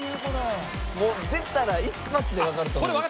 もう出たら一発でわかると思います。